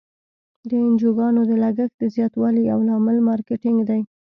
د انجوګانو د لګښت د زیاتوالي یو لامل مارکیټینګ دی.